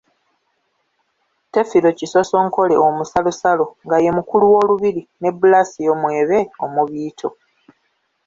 Tefiro Kisosonkole Omusalosalo nga ye mukulu w'Olubiri ne Blasio Mwebe Omubiito.